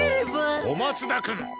小松田君！